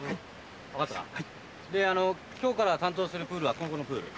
であの今日から担当するプールはこのプール。